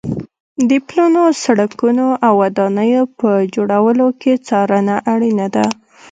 د پلونو، سړکونو او ودانیو په جوړولو کې څارنه اړینه ده.